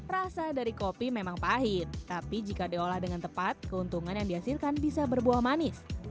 rasa dari kopi memang pahit tapi jika diolah dengan tepat keuntungan yang dihasilkan bisa berbuah manis